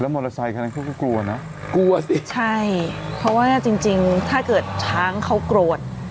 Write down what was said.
มอเตอร์ไซคันนั้นเขาก็กลัวนะกลัวสิใช่เพราะว่าจริงจริงถ้าเกิดช้างเขาโกรธ